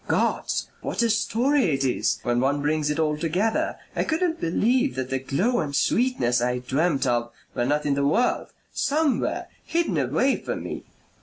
Gods! What a story it is when one brings it all together! I couldn't believe that the glow and sweetness I dreamt of were not in the world somewhere. Hidden away from me.